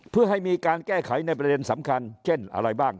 เพื่อให้มีการแก้ไขในประเด็นสำคัญเช่นอะไรบ้าง